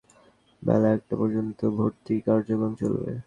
এদিন সকাল সাড়ে নয়টা থেকে বেলা একটা পর্যন্ত ভর্তি কার্যক্রম চলবে।